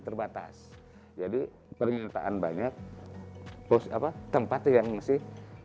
terbatas jadi permintaan banyak pos apa tempat yang masih